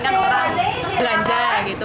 kan orang belanja gitu